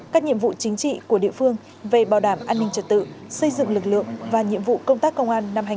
các nhiệm vụ chính trị của địa phương về bảo đảm an ninh trạng